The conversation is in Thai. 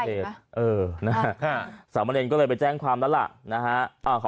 เออสามัญเอนก็เลยไปแจ้งความอ่ะล่ะนะคะ